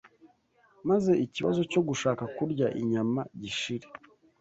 maze ikibazo cyo gushaka kurya inyama gishire.